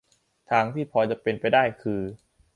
ทางที่พอเป็นไปได้คือ